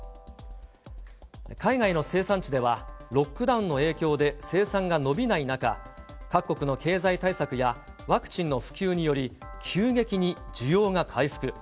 海外の生産地では、ロックダウンの影響で生産が伸びない中、各国の経済対策やワクチンの普及により、急激に需要が回復。